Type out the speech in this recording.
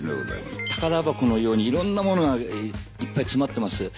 宝箱のようにいろんなものがいっぱい詰まってます。